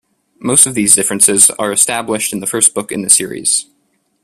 Most of these differences are established in the first book in the series.